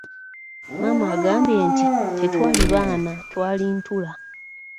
Maama agambye nti tetwali baana twali ntula.